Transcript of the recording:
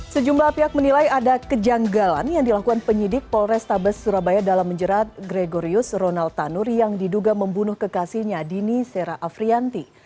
sejumlah pihak menilai ada kejanggalan yang dilakukan penyidik polrestabes surabaya dalam menjerat gregorius ronald tanur yang diduga membunuh kekasihnya dini sera afrianti